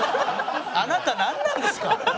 あなたなんなんですか？